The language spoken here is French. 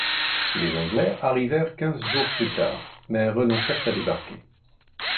Les Anglais arrivèrent quinze jours plus tard, mais renoncèrent à débarquer.